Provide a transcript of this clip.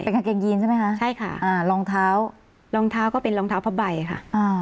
กางเกงยีนใช่ไหมคะใช่ค่ะอ่ารองเท้ารองเท้าก็เป็นรองเท้าผ้าใบค่ะอ่า